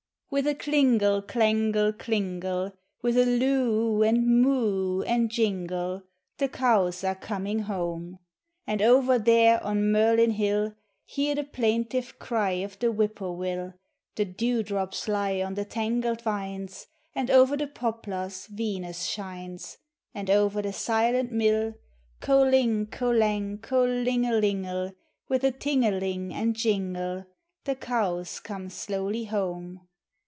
With a klingle, klangle, klingle, With a loo oo, and moo oo, and jingle, The cows are coming home; And over there on Merlin hill, Hear the plaintive cry of the whippoorwill ; The dew drops lie on the tangled vines, And over the poplars Venus shines; And over the silent mill, Ko ling, ko lang, kolingh l ingle, With a ting a ling, and jingle, The cows come slowly home.